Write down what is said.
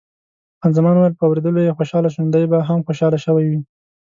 خان زمان وویل، په اورېدلو یې خوشاله شوم، دی به هم خوشاله شوی وي.